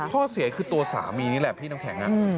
ข้อเสียคือตัวสามีนี่แหละพี่น้ำแข็ง